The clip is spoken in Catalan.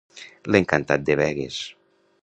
L'encantat de Begues.